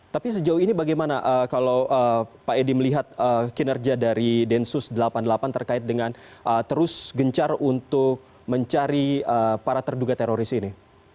tapi sejauh ini bagaimana kalau pak edi melihat kinerja dari densus delapan puluh delapan terkait dengan terus gencar untuk mencari para terduga teroris ini